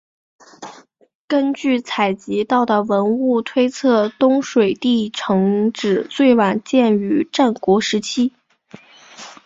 根据采集到的文物推测东水地城址最晚建于战国时期。